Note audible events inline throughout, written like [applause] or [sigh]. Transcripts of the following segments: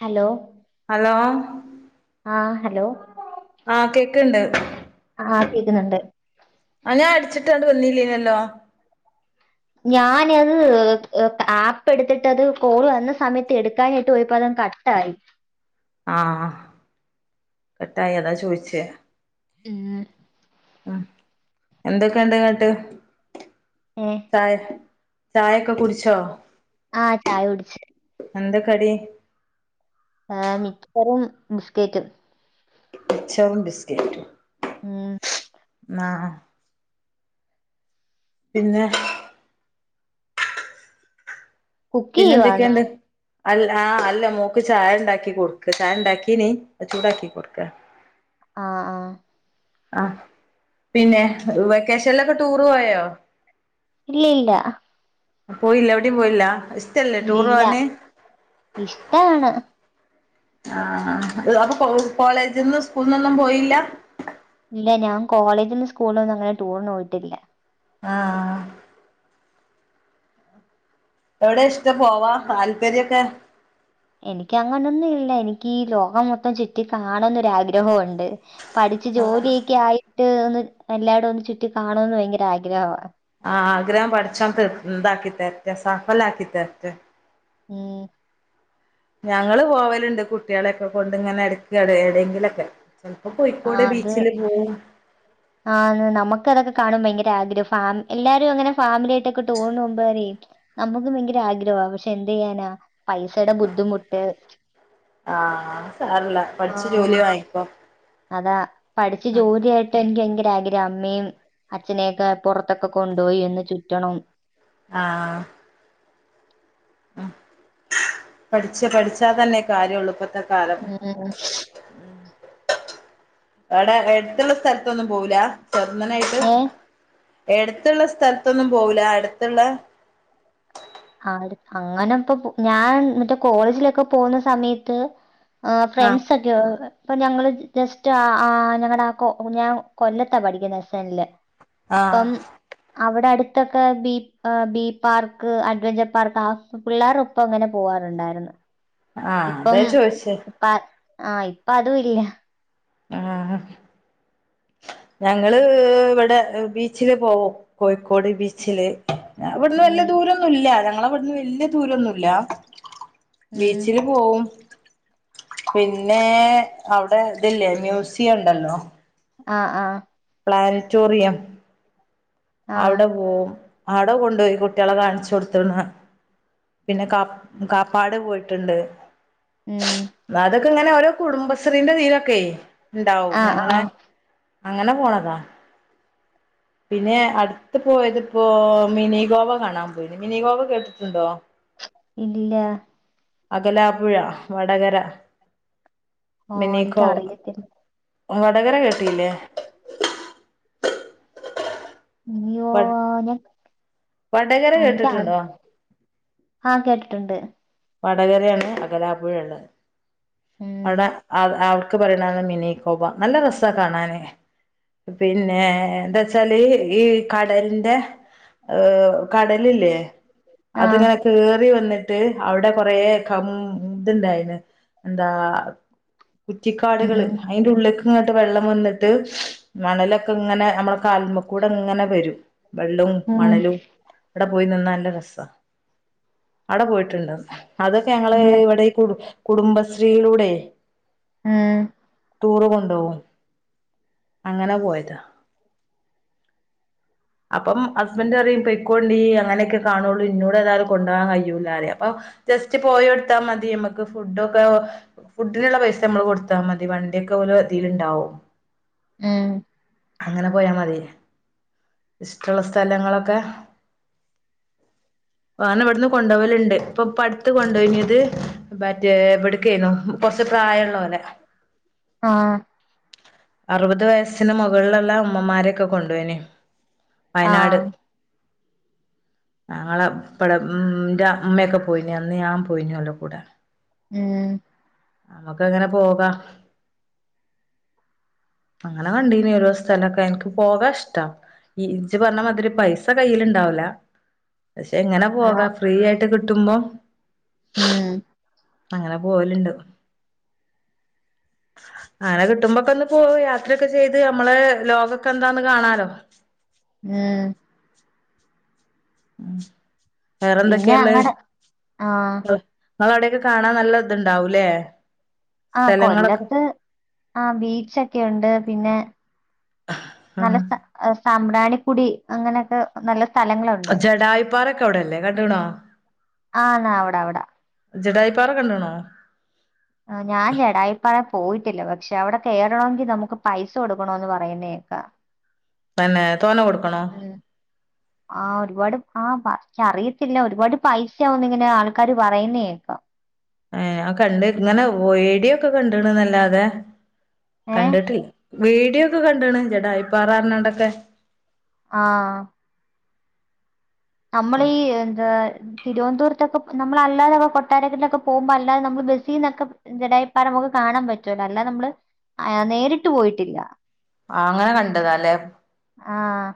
Hello hello ആഹ് hello. ക്ക്ണ്ട് ആഹ് കേക്ക്ന്ന്ണ്ട്. ട്ടാണ്ട് വന്നില്ലേന്യല്ലോ? ഞാനത് ആപ്പ് എട്ത്തിട്ടത് കോള് വന്ന സമയത്ത് എട്ക്കാനായിട്ട് പോയപ്പോ അതങ്ങ് കട്ടായി. ആഹ്. കട്ടായി. അതാ ചോയിച്ചേ. ഉം എന്തൊക്കെയുണ്ട് ഇങ്ങട്ട്? ഏഹ് ചായ ചായൊക്കെ കുടിച്ചോ? ആ ചായുടിച്ച്. എന്താ കടി? ഏഹ് മിച്ചറും ബിസ്കറ്റും. മിച്ചറും ബിസ്കറ്റും. ഉം ആ പിന്നെ പിന്നെ കുക്കെയ്യുവാണോ എന്തൊക്കെണ്ട് അല്ല ആഹ് അല്ല മോക്ക് ചായ ഉണ്ടാക്കി കൊടുക്ക ചായൊണ്ടാക്കിനി അത് ചൂടാക്കി കൊടുക്കാണ് ആ ആ ആ പിന്നെ വെക്കേഷനിലൊക്കെ ടൂറ് പോയോ ഇല്ല ഇല്ല പോയില്ല എവിടയും പോയില്ല ഇഷ്ടല്ലേ ടൂർ ഇല്ലില്ല പോവാന് ഇഷ്ടാണ് ആ അ അപ്പൊ കോളേജിൽന്നും സ്കൂള്ന്നൊന്നും പോയില്ല ഇല്ല ഞാൻ കോളേജിലും സ്കൂളും ഒന്നും അങ്ങനെ ടൂറിനു പോയിട്ടില്ല ആ എവിടെ ഇഷ്ട പോവാ താല്പര്യൊക്കെ എനിക്ക് അങ്ങനൊന്നും ഇല്ല എനിക്ക് ഈ ലോകം മൊത്തം ചുറ്റി കാണന്നൊരാഗ്രഹണ ണ്ട് പഠിച്ച് ജോലിയൊക്കെ ആയി ചന്ന് എല്ലായിടും ഒന്ന് ചുറ്റി കാണന്ന് ഭയങ്കര ആഗ്രഹമാണ് ആ ആഗ്രഹം പഠിച്ചൻ തർ ഇതാക്കി തരട്ടെ സാഫല ആക്കി തരട്ടെ ഉം ഞങ്ങള് പോവലുണ്ട് കുട്ടികളെൊക്കെ കൊണ്ട് ഇങ്ങനെ എടക്ക എടെയെങ്കിലൊക്കെ ചിലപ്പോ കോയിക്കോടെ ബീച്ചില് പോകും ആഹ നമുക്ക് അതൊക്കെ കാണുമ്പോ ഭയങ്കര ആഗ്രഹം ഫാമ എല്ലാരും അങ്ങനെ ഫാമിലിായിട്ടൊക്കെ ടോ പോുമ്പര നമുക്ക് ഭയങ്കര ആഗ്രഹവാ പക്ഷെ എന്ത് ചെയ്യാനാ പൈസയുടെ ബുദ്ധിമുട്ട് ആഹ് സാരല്ല ആ പഠിച്ച് ജോലി ആ വാങ്ങിക്കോ അതാ പഠിച്ച് ജോലിയായിട്ട് ഭയങ്കര ആഗ്രഹം അമ്മയും അച്ഛനെയൊക്കെ പുറത്തൊക്കെ കൊണ്ടുപോയി ഒന്ന് ചുറ്റണം ആ ആ ഉ പഠിച്ച പഠിച്ചാ തന്നെ കാര്യമള്ളൂ ഇപ്പഴത്തെ കാരം ഉം. എവിടെ എടുത്തുള്ള സ്ഥലത്തൊന്നും പോവുല ചെറുന്നനായിട്ട് ഏഹ്? എടുത്തുള്ള സ്ഥലത്തൊന്നും പോവൂല്ല അടുത്തുള്ള ആ അങ്ങനെ ഇപ്പൊ ഞാൻ മറ്റേ കോളേജിലൊക്കെ പോകുന്ന സമയത്ത് ആ ആഹ് ഫ്രണ്ട്സ ഒക്കെ ഇപ്പൊ ഞങ്ങള് ജസ്റ്റ് ആ ആ ഞങ്ങളുടെ ആകൊ ഞാൻ കൊല്ലത്താ പഠിക്കുന്നസനില് ആഹ് ഇപ്പം അവിടെ അടുത്ത് ഇത്തൊക്കെ ബി ബി പാർക്ക് ആ ചെപ്പാർക്ക് പിള്ളേർൊപ്പം അങ്ങനെ പോവാാറുണ്ടായിരുന്നു ആ അത ചോയിിച്ചേ ആഹ് ഇപ്പതുല്ല ആഹ് ഞങ്ങള് വടെ ബീച്ചില് പോവും കോഴിക്കോട് ബീച്ചില് ഞങ്ങവ്ട്ന്ന് ഉം വല്ല്യേദൂരന്നുല്ല ഞങ്ങള് വല്ല്യേ ദൂരന്നുല്ല ഉം ബീച്ചില് പോവും പിന്നെ അവടെ തില്ലേ മ്യൂസിയം ണ്ടല്ലോ ആഹ് ആഹ് പ്ലാരറ്റോറിയം ആഹ് അവിടെ പോവും ആട കൊണ്ടോയി കുട്ട്യാളെ കാണിച്ച് കൊടുത്തിണ് പിന്നെ കാ കാപ്പാട് പോയിട്ട്ണ്ട്. ഉം [inaudible] ങ്ങനെ ഓരോ കുടുംബശ്രീന്റെ കീയിലൊക്കെയ് ണ്ടാവും ആഹ് ഞങ്ങളെ ആഹ് അങ്ങനെ പോണതാ പിന്നെ അട്ത്ത് പോയത്പ്പോ മിനി ഗോവ കാണാൻ പോയി. മിനി ഗോവ കേട്ട്ട്ട്ണ്ടോ? ഇല്ല അകലാപ്പുഴ വടകര ഓ മിനിഗോവ എനിക്കറിയത്തില്ല വടകര കേട്ടീല്ലേ ന്യോ വടകര ആ കേട്ടിട്ടുണ്ടോ [unintelligible] ആഹ് കേട്ടിട്ടുണ്ട് വടകരേണ് അകലാപ്പുഴള്ളത്. ഉം അടെ [unintelligible] ക്ക് പറേണതാ മിനീ കോവ നല്ല രസാ കാണാന് പിന്നെ എന്താ ച്ചാല് ഈ കടലിന്റെ കടലില്ലേ ആഹ് അത്ങ്ങനെ കേറി വന്ന്ട്ട് അവടെ കൊറേ [unintelligible] ത്ണ്ടായിലെ ന്താ കുറ്റിക്കാട്കള് ഉം അയിന്റെ ഉള്ള്ക്ക്ങ്ങട്ട് വെള്ളം വന്ന്ട്ട് മണല് ക്ക്ങ്ങനെ ഞമ്മളെ കാല്മ്മകൂടെങ്ങനെ വരും വെള്ളും ഉം മണലും പോയി നിന്നാ നല്ല രസാ അവടെ പോയിട്ട്ണ്ടോ അതൊക്കെ ഞങ്ങള് ഇല്ല ഇവടെ ഈ കുടു കുടുംബ ശ്രീയിലൂടെ ആം ടൂറ് കൊണ്ടോകും അങ്ങനെ പോയതാ അപ്പം ഹസ്ബൻറ് പറയും പയികളോൺടീ അങ്ങനെയൊക്കെ കാണുള്ളൂ ഇന്നോട് ഏതായാലും കൊണ്ണ്ടോകാൻ കഴിയൂല്ലേ അപ്പൊ ജസ്റ്റ് പോയോട്ത്താ മതി നമ്മക്ക് ഫുഡ ഫുഡിനുള്ള പൈസ നമ്മള് കൊടുത്താ മതി വണ്ടിയൊക്കെ ഓലതില് ണ്ടാവും ഏഏഏ അങ്ങനെ പോയാ മതി ഇഷ്ടുള്ള സ്ഥലങ്ങളൊക്കെ വണം ഇവിടുന്ന് കൊണ്ടുപോലുണ്ട് ഇപ്പൊ പടുത്ത് കൊണ്ടുപോഞ്ഞത് മറ്റേ എവിടുക്ക കൊറ പ്രായമുള്ള ആഹ അറുപത് വയസ്സിന് മുകളിലുള്ള അമ്മമാരൊക്കെ കൊണ്ടു പോോയിന് വയനാട് ആഹ് ഞങ്ങളെ ഇപ്പടെ ഉന്റെ അമ്മയൊക്കെ പോയിന അന്ന് ഞാൻ പോയിനല്ലോ കൂടെ ഉം നമക്ക് അങ്ങനെ പോകാം അങ്ങനെ വണ്ടീന ഓരോ സ്ഥലമൊക്കെ എനിക്ക് പോകാ ഇഷ്ടം ഈ ഇഞ്ച പറഞ്ഞ മാതിരി പൈസ കയ്ൽ ഇണ്ടാവല പക്ഷെ എങ്ങനെ അതാ പോകാം ഫ്രീ ആയിട്ട്ട്ട കുടബ ഉം അങ്ങനെ പോവലുണ്ട് അങ്ങനെ കിട്ടുമ്പോൊക്കെ ഒന്ന് പോ യാത്രയൊക്കെ ചെയ്ത് നമ്മളെ ലോകക്കെ എന്താന്ന് കാണാലോ ഉം ഉഹ പിന്നെ വേറെന്തൊക്കെയള്ള അങ്ങടെ ആഹ് നിമ്മൾ അവിടെൊക്കെ കാണാൻ നല്ല ഇത്ണ്ടാവുംല്ലേ ആഹ കൊല്ലത്ത് ആ ബീച്ച്ൊക്കെ ഉണ്ട് പിന്നെ ആ നല്ല സാ സാമ്പ്രാണി പൊടി അങ്ങനെയൊക്കെ നല്ല സ്ഥലങ്ങളുണ്ട് ജടായിപ്പാറക്കെ അവിടെല്ലേ കണ്ടണോ ആന്ന് അവിടെ അവിടെ ജടായിപ്പാറ കണ്ടണോ ആ ഞാൻ ജടായിപ്പാറ പോയിട്ടില്ല പക്ഷെ അവിടെ കേയറണമെങ്കിൽ നമുക്ക് പൈസ കൊടുക്കണന്ന് പറയുന്നേക്കാ പിന്നെ തോന്ന കൊടുക്കണോ ആഹ് ഒരുപാട് ആഹ് പറിയത്തില്ല ഒരുപാട് പൈസാവുന്നിങ്ങനെ ആൾക്കാാര് പറയുന്നേക്കാം ഏ ആ കണ്ട് ഇങ്ങനെ വീഡിയൊക്കെ കണ്ടണ് നല്ലാതെ ഏഹ് കണ്ടിട്ടില്ല വീഡിയോ ഒക്കെ കണ്ടണ് ചടാ ഇപ്പറാണ്ടൊക്കെ ആഹ നമ്മളെ ഈ എന്താ. തിരുവനന്തപുരത്തൊക്കെ നമ്മള അല്ലാതെ കൊട്ടാരക്കിലൊക്കെ പോക്പോ അല്ലാതെ നമ്മള് ബസ്സിൽ നിന്നൊക്കെ ജടായപ്പാരമൊക്കെ കാണാൻ പറ്റുമല്ലോ അല്ലാതെ നമ്മള് നേരിട്ട് പോയിട്ടില്ല. ആ അങ്ങനെ കണ്ടത അല്ലെ. ആഹ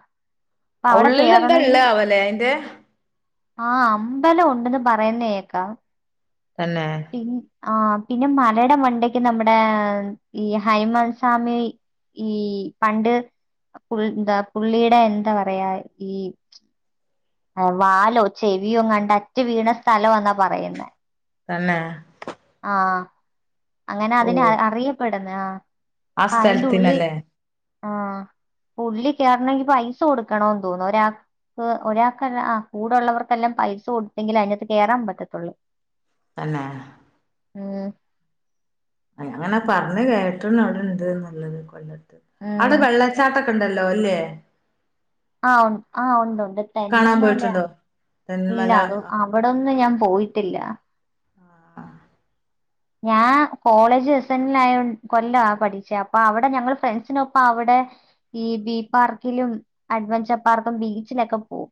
ഉള്ളിൽ എന്താ ഉള്ള ആവല്ലേ അയിന്റെ ആഹ അമ്പലം ഉണ്ടന്ന് പറയുന്നേക്കാ തന്നെ ആഹ് പിന്നെ മലയുടെ മണ്ടയ്ക്ക് നമ്മുടെ ഈ ഹൈമാൻ സ്വാമി ഈ പണ്ട് എന്താ പുള്ളിയുടെ എന്താ പറയാ ഈ വാലോ ചെവിയോങ്ങാണ്ട അറ്റുവീണ സ്ഥലവാന്ന പറയുന്നേ തന്നെ.. ആഹ് അങ്ങനെ അതിനെ അറിയപ്പെട [unintelligible] ആ അസ്ഥലത്തിനല്ലേ ആ പുള്ളി കയറണങ്കി പൈസ കൊടുക്കണന്ന് തോന്നുന്നു ഒരാൾക്ക് ഒരാ ആ കൂടെള്ളവർക്കെല്ലാം പൈസ കൊടുത്തെങ്കിൽ അതിനകത്ത് കയറാൻ പറ്റത്തുള്ളൂ തന്നെ മ് അങ്ങനെ പറഞ്ഞഞ് കേട്ടണ്ട് അവിടെ ഇണ്ട്ന്നുള്ളത് കൊല്ലട്ട അവിടെ ഉം വെള്ളച്ചാട്ടൊക്ക ക്കണ്ടല്ലോ അല്ലേ ആ ഉ ആ ഉണ്ട് ഉണ്ട് കാണാൻ തെന്മല പോയിട്ടുണ്ടോ ഇല്ല തെന്മല അത അവിടൊന്നും ഞാൻ പോയിട്ടില്ല ഞാൻ കോളേജ്സനിലായ കൊല്ലം പഠിച്ച അപ്പൊ അവിടെ ഞങ്ങള് ഫ്രണ്ട്സിനൊപ്പം അവിടെ ഈ ബീ പാർക്കിലും അഡ്വെഞ്ചർ പാർക്കും ബീച്ചിലൊക്കെ പോവും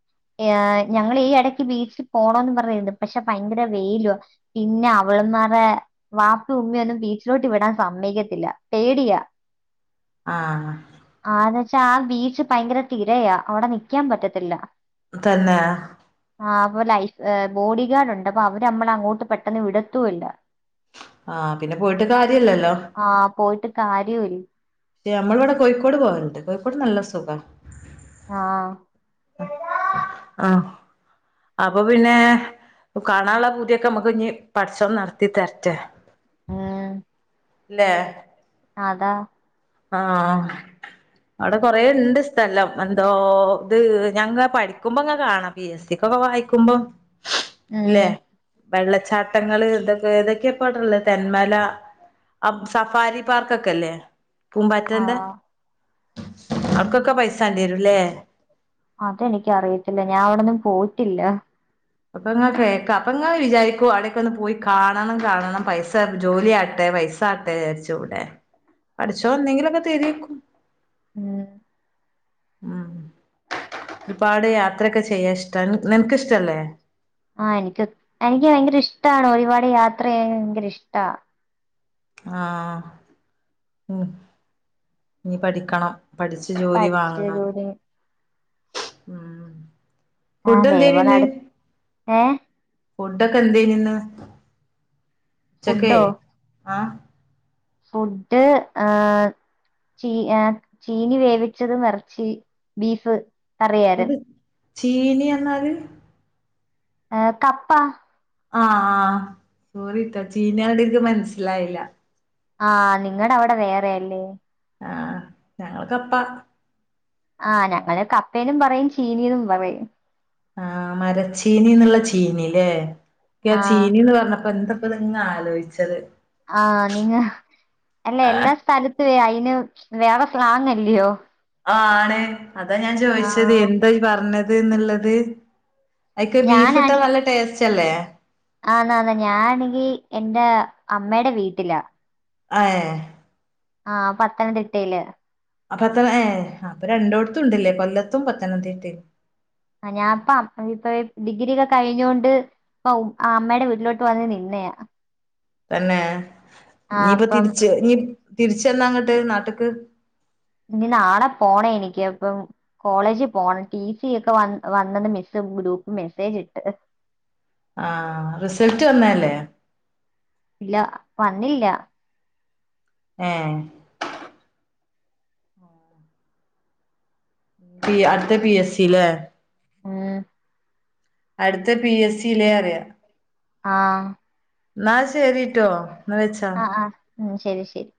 ഞങ്ങ ഈ ഇടക്ക് ബീച്ചിൽ പോണന്ന് പറയരുന്നു പക്ഷെ ഭയങ്കര വെയില പിന്നെ അവളമാറെ വാപ്പ ഉമ്മയൊന്നും ബീച്ചിലോട്ട് വിടാൻ സമ്മക്കത്തില്ല പേടിയാ ആഹ് ആന്ന് വെച്ചാ ആ ബീച്ച് ഭയങ്കര തിരയാ അവിടെ നിക്കാൻ പറ്റത്തില്ല തന്നെ ആ ലൈഫ് ബോഡി ഗാർഡുണ്ട് അപ്പൊ അവര് നമ്മള അങ്ങോട്ട് പെട്ടെന്ന് വിടത്തൂല്ല ആ പിന്നെ പോയിട്ട് കാര്യല്ലല്ലോ ആ പോയിട്ട് കാര്യമില്ല ദേ ഞമ്മൾ ഇവിടെ കോഴിക്കോട് പോവല്ണ്ട്. കോഴിക്കോട് നല്ല സുഖാ ആ ആഹ് അപ്പൊ പിന്നെ കാണാനുള്ള പൂതിയൊക്കെ നമ്മുക്ക് ഇഞ് പഠച്ചോൻ നടത്തി തരട്ടെ. ആ ലേ അതാ ആഹ് അവ്ടെ കൊറേ ഇണ്ട് സ്ഥലം, എന്തോ ഇത് ഞാങ്ങ പഠിക്കുമ്പോ ങ്ങ കാണാ. പി എസ് സിക്കൊക്കെ വായിക്കുമ്പം. മ് വെള്ളച്ചാട്ടങ്ങള് എതൊക്കെ ഏതൊക്കെയാപാടല്ലേ തെന്മല, അഹ് സഫാരി പാർക്കൊക്കെല്ലേ? പൂമ്പാറ്റൻ്റെ. ആഹ് അട്ക്കൊക്കെ പൈസാണ്ടിയേരുംല്ലേ? അതെനിക്ക് അറിയത്തില്ല. ഞാൻ അവിടൊന്നും പോയിട്ടില്ല. അപ്പൊ ഇങ്ങ കേൾക്കാ... അപ്പൊ ഇങ്ങ വിചാരിക്കു അവ്ടെക്ക ഒന്ന് പോയി കാണണം കാണണം പൈസ ജോലിയാട്ടെ പൈസ ആട്ടെ വിചാരിച്ചു എവ്ടെ പഠിച്ചോനെന്നെങ്കിലും ഒക്ക തരുവേക്കും. മ് ഉം ഒരുപാട് യാത്രൊക്കെ ചെയ്യാ ഇഷ്ടാ. നിനക്ക് ഇഷ്ടല്ലേ? ആ എനിക്ക് ഒ എനിക്ക് ഭയങ്കര ഇഷ്ടാണ്, ഒരുപാട് യാത്ര ചെയ്യാൻ ഭയങ്കര ഇഷ്ടാ ആ ഉം ഇഞ് പഠിക്കണം. പഠിച്ചു ജോലി പഠിച്ച് വാങ്ങണം. ജോലി ഊം ആ ദൈവം നട... ഏഹ്. ഫുഡൊക്കെ എന്തേനി ഇന്ന്. ഉച്ചക്കെ ഫുഡോ ഹാ ഫുഡ് ആ ചീ ആ ചീനി വേവിച്ചതും എറച്ചി ബീഫ് അത് കറിയാരുന്നു ചീനി എന്നാല് ആ കപ്പാ ഹാ ആ സോറിട്ടോ ചീനാ ന്ന്ട്ക്ക് മനസ്സിലായില്ല ഹാ നിങ്ങടെ അവിടെ വേറെയാല്ലേ ആ ഞങ്ങള് കപ്പാ ഹാ ഞങ്ങള് കപ്പേന്നും പറയും ചീനി ന്നും പറയും ഹാ മരച്ചീനി ന്നുള്ള ചീനില്ലേ ഈ ആഹ് ചീനി ന്ന് പറഞ്ഞപ്പൊ എന്താ ഇപ്പത്ങ്ങ ആലോച്ചത് ഹാ നിങ്ങ അല്ലേ ആഹ് എല്ലാ സ്ഥലത്തുവേ അയി ന് വേറെ സ്ലാങ്ങല്ലിയോ ആ ആണ് അതാ ഞാൻ ചോദിച്ചത് ആഹ് എന്താ യീ പറഞ് ഇത് ന്നിള്ളത് അയ്ക്ക് ബീഫ് ഇട്ടാ ഞാനാണെ നല്ല ടേസ്റ്റ് അല്ലേ ആന്നാന്ന് ഞാ ആണെങ്കിൽ എന്റെ അമ്മടെ വീട്ടിലാ ഹാഏ ഹാ പത്തനതിട്ടയില് അപ്പത്തരെ ഏ അപ്പൊ രണ്ടോടത്തും ണ്ട് ല്ലേ കൊല്ലത്തും പത്തനംതിട്ടിം ആ ഞാൻപ്പ അപ്പ [unintelligible] ഡിഗിരിയൊക്കെ കഴിഞ്ഞോണ്ട് ഔ അമ്മടെ വീട്ടിലോട്ട് വന്ന് നിന്നയാ തന്നെ നീപ്പൊ തിരിച്ച് നി തിരിച്ചെന്നാ അങ്ങ്ട്ട് നാട്ട്ക്ക് ഇനി നാളെ പോണെ എനിക്ക് ഇപ്പം കോളേജ് പോണം ടീ സി ഒക്കെ വ വന്ന്ന്ന് മിസ്സ്‌ ഗ്രൂപ്പ് മെസ്സേജ് ഇട്ട് ആ റിസൾട്ട്‌ വന്നെഅല്ലേ ഇല്ല വന്നില്ല ഏ പി അടുത്ത പി എസ് സി ല്ലേ ഉം അടുത്ത പി എസ് സി യില്ലേ റയാ ആ ന്നാ ശരിട്ടോ ന്ന വെച്ച ആഹ് ആഹ് ഉം ശരി ശരി